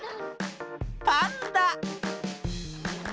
パンダ！